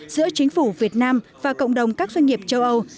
giữa chính phủ việt nam và cộng đồng các doanh nghiệp châu âu